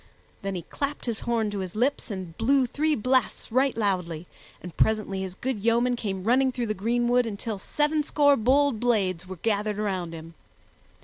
Then he clapped his horn to his lips and blew three blasts right loudly, and presently his good yeomen came running through the greenwood until sevenscore bold blades were gathered around him.